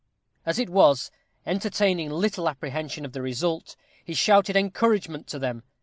As it was, entertaining little apprehension of the result, he shouted encouragement to them.